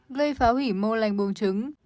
gây phá hủy mô lành bùng trứng